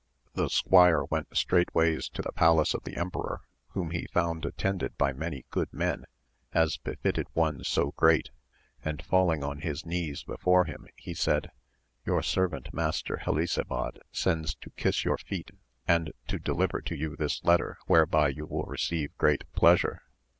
The squire went straightways to the palace of the emperor, whom he found attended by many good men, as befitted one so great, and falling on his knees before him he said, Your servant Master Hehsabad sends to kiss your feet, and to deliver to you this letter where by you will receive great pleasure.